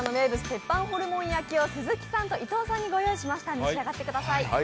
鉄板ホルモン焼きを鈴木さんと伊藤さんにご用意しました召し上がってください。